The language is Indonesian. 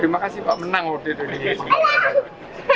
terima kasih pak terima kasih pak terima kasih pak